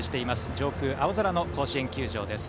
上空、青空の甲子園球場です。